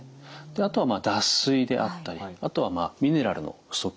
あとは脱水であったりあとはミネラルの不足。